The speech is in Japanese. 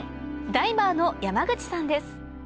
ダイバーの山口さんです